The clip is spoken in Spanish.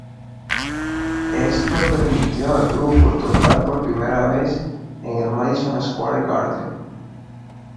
Esto permitió al grupo tocar por primera vez en el Madison Square Garden.